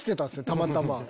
たまたま。